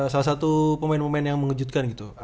salah satu pemain pemain yang mengejutkan gitu